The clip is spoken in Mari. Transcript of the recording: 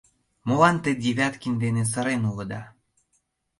— Молан те Девяткин дене сырен улыда?